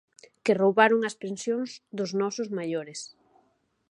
Que roubaron as pensións dos nosos maiores.